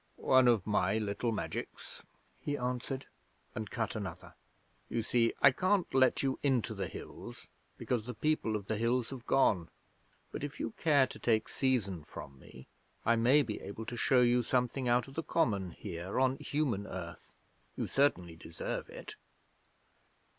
'One of my little magics,' he answered, and cut another. 'You see, I can't let you into the Hills because the People of the Hills have gone; but if you care to take seizin from me, I may be able to show you something out of the common here on Human Earth. You certainly deserve it.'